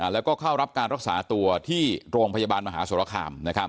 แล้วก็เข้ารับการรักษาตัวที่โรงพยาบาลมหาสรคาม